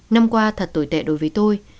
năm qua thật tồi tệ đối với tôi